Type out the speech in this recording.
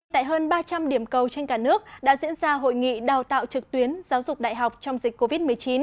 tại hơn ba trăm linh điểm cầu trên cả nước đã diễn ra hội nghị đào tạo trực tuyến giáo dục đại học trong dịch covid một mươi chín